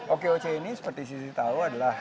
okoc ini seperti sisi tahu adalah